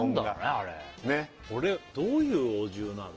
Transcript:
あれこれどういうお重なの？